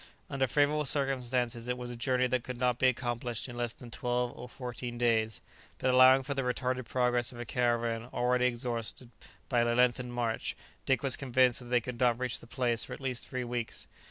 Under favourable circumstances it was a journey that could not be accomplished in less than twelve or fourteen days, but allowing for the retarded progress of a caravan already exhausted by a lengthened march, Dick was convinced that they could not reach the place for at least three weeks.